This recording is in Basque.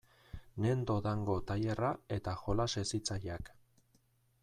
Nendo Dango tailerra eta jolas hezitzaileak.